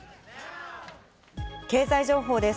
経済情報です。